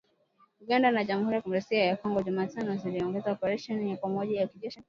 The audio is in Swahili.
Uganda na Jamhuri ya Kidemokrasi ya Kongo, Jumatano ziliongeza operesheni ya pamoja ya kijeshi